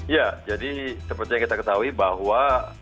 ya jadi seperti yang kita ketahui bahwa